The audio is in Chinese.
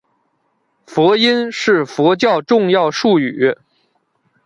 佛音是佛教重要术语。